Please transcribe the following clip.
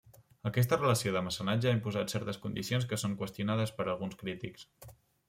Aquesta relació de mecenatge ha imposat certes condicions que són qüestionades per alguns crítics.